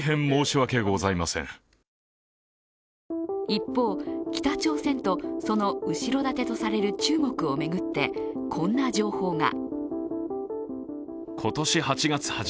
一方、北朝鮮とその後ろ盾とされる中国を巡って、こんな情報が。